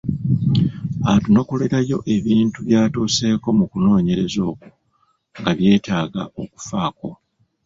Atunokolerayo ebintu by’atuuseeko mu kunoonyereza okwo nga byetaaga okufaako.